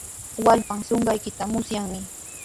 Wallpan suqanqaykita musyanmi.